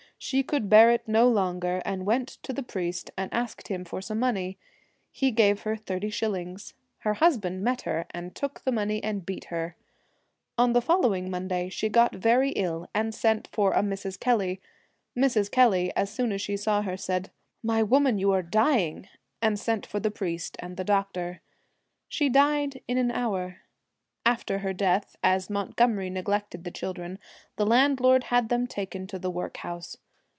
She could bear it no longer, and went to the priest and asked him for some money. He gave her thirty shillings. Her husband met her, 28 and took the money, and beat her. On Village the following Monday she got very ill, and sent for a Mrs. Kelly. Mrs. Kelly, as soon as she saw her, said, ' My woman, you are dying,' and sent for the priest and the doctor. She died in an hour. After her death, as Montgomery neglected the children, the landlord had them taken to the workhouse.